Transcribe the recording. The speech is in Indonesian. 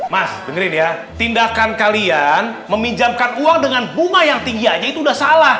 mas dengerin ya tindakan kalian meminjamkan uang dengan bunga yang tinggi aja itu udah salah